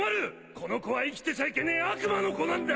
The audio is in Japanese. この子は生きてちゃいけねえ悪魔の子なんだ！